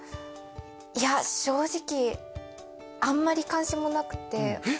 いや正直あんまり関心もなくてえっ